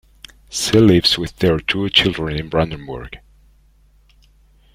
She lives with their two children in Brandenburg.